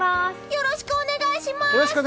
よろしくお願いします！